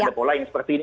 ada pola yang seperti ini